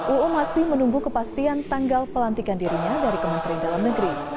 uu masih menunggu kepastian tanggal pelantikan dirinya dari kementerian dalam negeri